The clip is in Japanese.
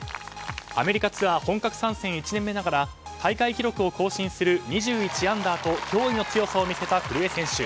アメリカツアー本格参戦１年目ながら大会記録を更新する２１アンダーと驚異の強さを見せた古江選手。